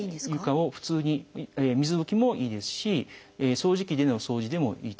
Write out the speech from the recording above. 床を普通に水拭きもいいですし掃除機での掃除でもいいと思います。